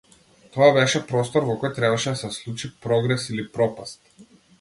Тоа беше простор во кој требаше да се случи прогрес или пропаст.